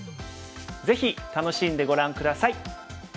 ぜひ楽しんでご覧下さい。